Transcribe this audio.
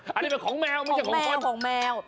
อันนี้เป็นของแมวไม่ใช่ของคนคุณได้ไหมของแมว